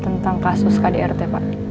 tentang kasus kdrt pak